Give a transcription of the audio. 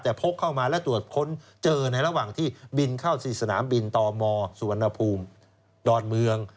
แต่พกเข้ามาและตรวจค้นเจอในระหว่างที่บินเข้าที่สนามบินตมสุวรรณภูมิดอนเมือง